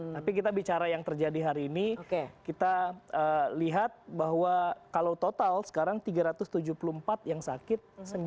tapi kita bicara yang terjadi hari ini kita lihat bahwa kalau total sekarang tiga ratus tujuh puluh empat yang sakit